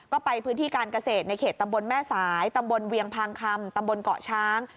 ก็ไปพื้นที่การเกษตรในเขตตำบลแม่สายตำบลเวียงพางคำตำบลเกาะช้าง